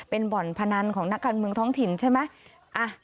เป็นบ่อนพนันของนักการเมืองท้องถิ่นใช่ไหม